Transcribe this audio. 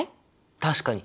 確かに！